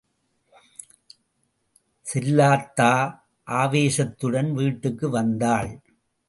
செல்லாத்தா ஆவேசத்துடன் வீட்டுக்கு வந்தாள்.